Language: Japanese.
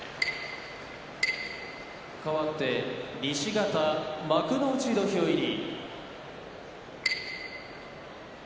かわって西方幕内土俵入り。